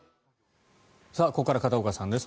ここから片岡さんです。